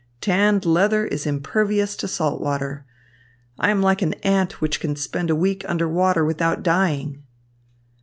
Tanned leather is impervious to salt water. I am like an ant which can spend a week under water without dying."